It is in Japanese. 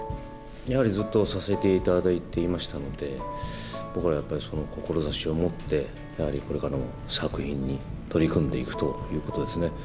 やはりずっと支えていただいていましたので、僕らはやっぱりその志をもって、やはりこれからも作品に取り組んでいくということですね。